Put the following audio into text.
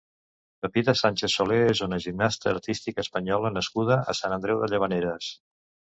Pepita Sánchez Soler és una gimnasta artística española nascuda a Sant Andreu de Llavaneres.